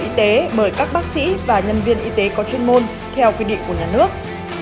y tế bởi các bác sĩ và nhân viên y tế có chuyên môn theo quy định của nhà nước